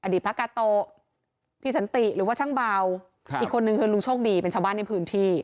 พระกาโตพี่สันติหรือว่าช่างเบาอีกคนนึงคือลุงโชคดีเป็นชาวบ้านในพื้นที่